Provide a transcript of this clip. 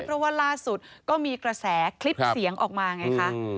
เพราะว่าล่าสุดก็มีกระแสคลิปเสียงออกมาไงคะ